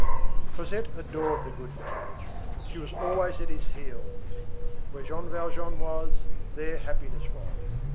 Cosette adored the goodman. She was always at his heels. Where Jean Valjean was, there happiness was.